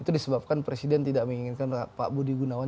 itu disebabkan presiden tidak menginginkan pak budi gunawan